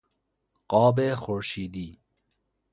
قاب خورشیدی